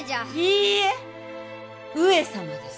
いいえ上様です。